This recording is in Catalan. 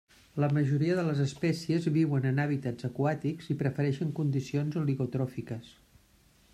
La majoria de les espècies viuen en hàbitats aquàtics i prefereixen condicions oligotròfiques.